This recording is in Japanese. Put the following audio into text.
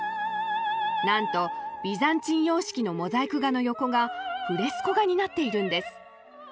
なんとビザンチン様式のモザイク画の横がフレスコ画になっているんです。